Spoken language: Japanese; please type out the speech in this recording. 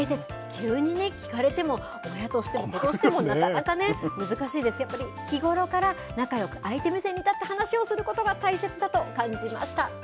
急にね、聞かれても、親としても子としても、なかなかね、難しいですから、やっぱり日頃から仲よく相手目線に立った話をすることが大切だと感じました。